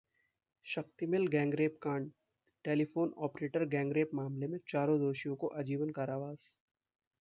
शक्ति mill gangrape कांडः telephone operator gangrape मामले में चारों दोषियों को आजीवन कारावास